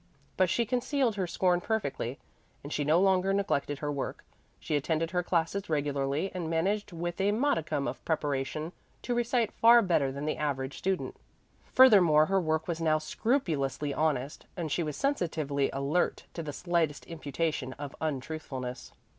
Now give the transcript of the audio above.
But she concealed her scorn perfectly. And she no longer neglected her work; she attended her classes regularly and managed with a modicum of preparation to recite far better than the average student. Furthermore her work was now scrupulously honest, and she was sensitively alert to the slightest imputation of untruthfulness.